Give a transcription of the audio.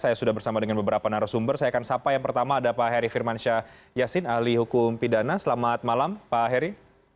saya sudah bersama dengan beberapa narasumber saya akan sapa yang pertama ada pak heri firmansyah yasin ahli hukum pidana selamat malam pak heri